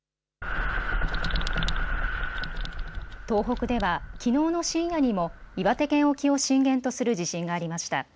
東北では、きのうの深夜にも岩手県沖を震源とする地震がありました。